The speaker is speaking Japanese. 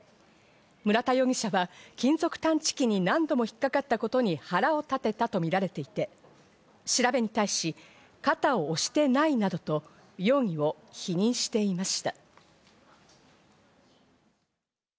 村田容疑者は金属探知機に何度も引っかかったことに腹を立てたとみられていて、調べに対し、肩を押してないなどと容疑を否認していました。